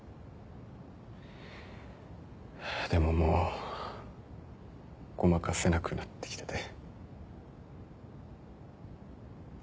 でももうごまかせなくなってきてて。